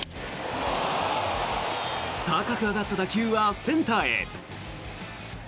高く上がった打球はセンターへ。